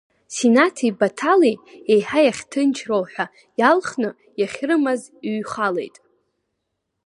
Синаҭи Баҭали еиҳа иахьҭынчроу ҳәа иалхны иахьрымаз иҩхалеит.